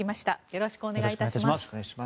よろしくお願いします。